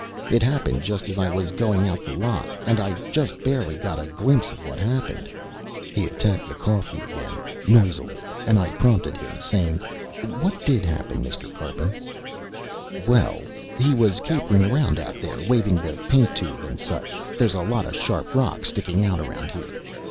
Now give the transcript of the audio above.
It happened just as I was going out the lock, and I just barely got a glimpse of what happened." He attacked the coffee again, noisily, and I prompted him, saying, "What did happen, Mister Karpin?" "Well, he was capering around out there, waving the paint tube and such. There's a lot of sharp rock sticking out around here.